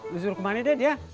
lo suruh kemana deh dia